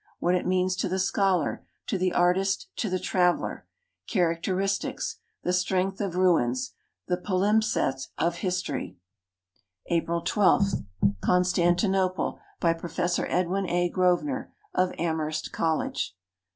What it means to the scholar, to the artist, to the traveler. Characteristics. The strength of ruins. The palimpsest of history. April 12. Coiislant'uioph', by Prof. Edwin A. Gijosvenor, of Amherst College.